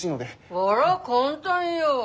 あら簡単よ。